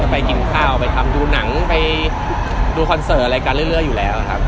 ไปกินข้าวไปทำดูหนังไปดูคอนเสิร์ตอะไรกันเรื่อยอยู่แล้วครับ